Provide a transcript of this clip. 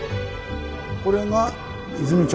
これが和泉町。